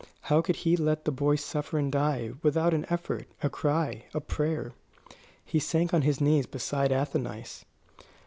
How could he let his boy suffer and die, without an effort, a cry, a prayer? He sank on his knees beside Athenais.